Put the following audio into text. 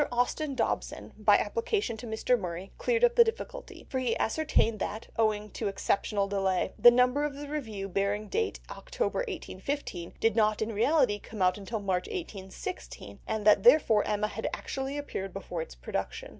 Austin Dobson, by application to Mr. Murray, cleared up the difficulty, for he ascertained that, owing to exceptional delays, the number of the Review bearing date October 1815 did not in reality come out until March 1816, and that therefore Emma had actually appeared before its production.